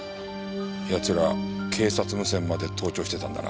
奴ら警察無線まで盗聴してたんだな。